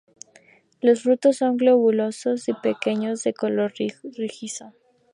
Los frutos son globosos y pequeños, de color rojizo.